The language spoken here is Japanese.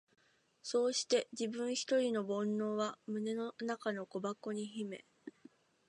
そうして自分ひとりの懊悩は胸の中の小箱に秘め、